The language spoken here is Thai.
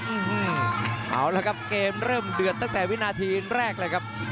อืมเอาละครับเกมเริ่มเดือดตั้งแต่วินาทีแรกเลยครับ